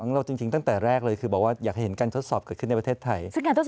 เราจริงตั้งแต่แรกเลยอยากเห็นการทดสอบเกิดขึ้นในประเทศไทย